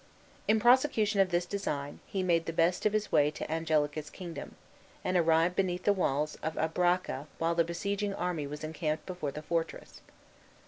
In prosecution of this design, he made the best of his way to Angelica's kingdom, and arrived beneath the walls of Albracca while the besieging army was encamped before the fortress.